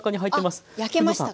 焼けましたか？